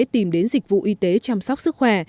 tìm đến dịch vụ y tế chăm sóc sức khỏe